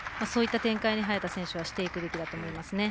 そういった展開に早田選手はしていくべきだと思います。